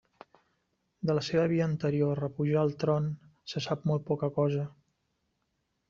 De la seva vida anterior a pujar al tron se sap molt poca cosa.